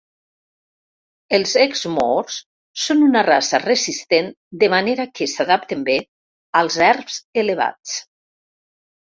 Els exmoors són una raça resistent, de manera que s'adapten bé als erms elevats.